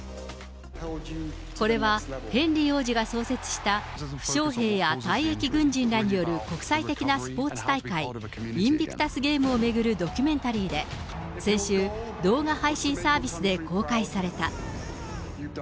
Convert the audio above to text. これはヘンリー王子が創設した、負傷兵や退役軍人らによる国際的なスポーツ大会、インビクタス・ゲームを巡るドキュメンタリーで、先週、動画配信サービスで公開された。